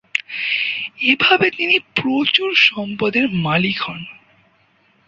এভাবে তিনি প্রচুর সম্পদের মালিক হন।